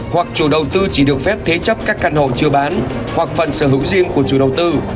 hoặc chủ đầu tư chỉ được phép thế chấp các căn hộ chưa bán hoặc phần sở hữu riêng của chủ đầu tư